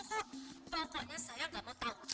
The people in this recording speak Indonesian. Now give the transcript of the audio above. pokoknya saya nggak mau tahu